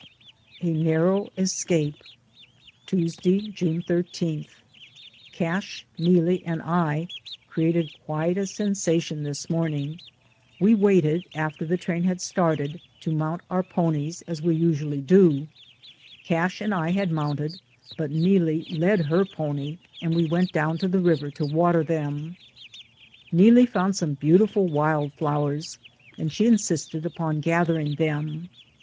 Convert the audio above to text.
A NARROW ESCAPE. Tuesday, June 13. Cash, Neelie and I created quite a sensa tion this morning. We waited, after the train had started, to mount our ponies as we usually do. Cash and I had mounted, but Neelie led her pony, and we went down to the DAYS ON THE ROAD. 89 river to water them, Neelie found some beau tiful wild flowers, and she insisted upon gathering them.